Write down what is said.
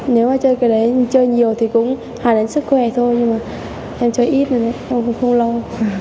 nếu mà chơi cái đấy chơi nhiều thì cũng hài đến sức khỏe thôi nhưng mà em chơi ít là em không lâu